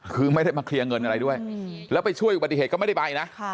คือไม่ได้มาเคลียร์เงินอะไรด้วยแล้วไปช่วยอุบัติเหตุก็ไม่ได้ไปนะ